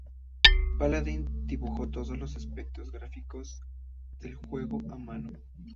Paladin dibujó todos los aspectos gráficos del juego a mano.